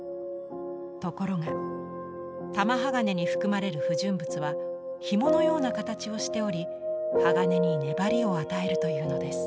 ところが玉鋼に含まれる不純物はひものような形をしており鋼に粘りを与えるというのです。